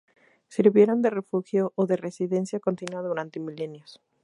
Sirvieron de refugio o de residencia continua durante milenios.